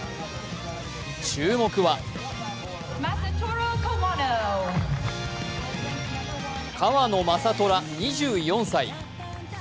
注目は川野将虎２４歳。